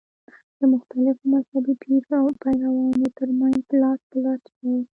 د مختلفو مذهبي پیروانو تر منځ لاس په لاس شوه.